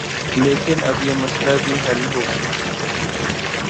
لیکن اب یہ مسئلہ بھی حل ہوگی